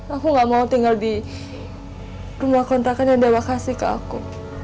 aku gak mau tinggal di rumah kontrakan yang dia mau kasih ke aku